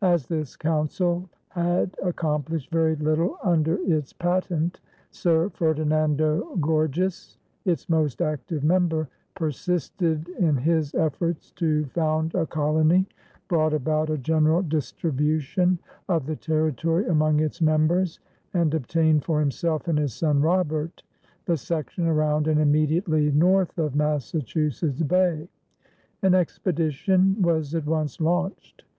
As this Council had accomplished very little under its patent, Sir Ferdinando Gorges, its most active member, persisted in his efforts to found a colony, brought about a general distribution of the territory among its members, and obtained for himself and his son Robert, the section around and immediately north of Massachusetts Bay. An expedition was at once launched.